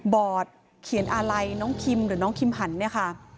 บอร์ดเขียนอะไรน้องคิมหรือน้องคิมหันเนี่ยค่ะ